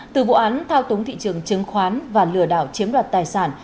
từ vụ án thao túng thị trường chứng khoán và lừa đảo chiếm đoạt tài sản